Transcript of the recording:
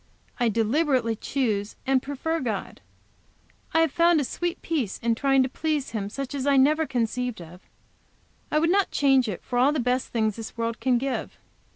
I deliberately choose and prefer God. I have found a sweet peace in trying to please Him such as I never conceived of. I would not change it for all the best things this world can give.